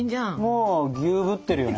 もうギューぶってるよね。